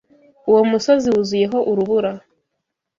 Uwo musozi wuzuyeho urubura.